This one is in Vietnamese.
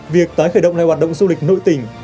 việc tái khởi động ngày hoạt động du lịch nội tỉnh